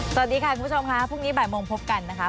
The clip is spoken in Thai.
สวัสดีค่ะคุณผู้ชมค่ะพรุ่งนี้บ่ายโมงพบกันนะคะ